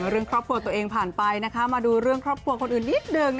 เรื่องครอบครัวตัวเองผ่านไปนะคะมาดูเรื่องครอบครัวคนอื่นนิดนึง